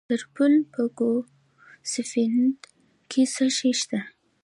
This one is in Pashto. د سرپل په ګوسفندي کې څه شی شته؟